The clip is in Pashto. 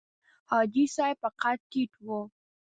حاجي صاحب په قد ټیټ و.